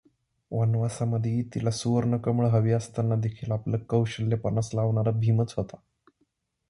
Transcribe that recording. वनवासामध्ये तिला सुवर्णकमळे हवी असतानादेखील आपले कौशल्य पणास लावणारा भीमच होता.